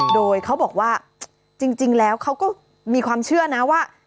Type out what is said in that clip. โดยเขาบอกว่าจริงแล้วเขาก็มีความเชื่อนะว่า